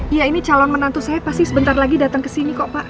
iya ini calon menantu saya pasti sebentar lagi datang ke sini kok pak